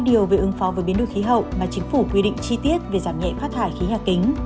điều đầu tiên là ứng pháp về biến đổi khí hậu mà chính phủ quy định chi tiết về giảm nhẹ phát thải khí hạ kính